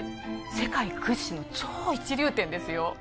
世界屈指の超一流店ですよ